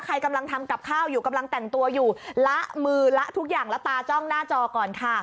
ใครกำลังทำกับข้าวอยู่กำลังแต่งตัวอยู่ละมือละทุกอย่างแล้วตาจ้องหน้าจอก่อนค่ะ